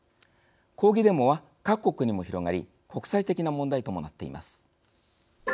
抗議デモは各国にも広がり国際的な問題ともなっています。